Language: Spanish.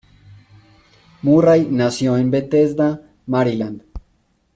Murray nació en Bethesda, Maryland.